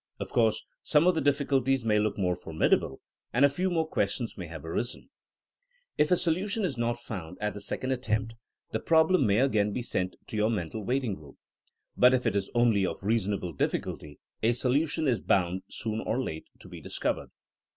(Of course some of the difficulties may look more formidable, and a few new questions may have arisen.) If a solution is not found at the 94 THINEINO AS A 80IEN0E second attempt, the problem may again be sent to your mental waiting room. But if it is only of reasonable diflSculty a solution is bound, soon or late, to be discovered.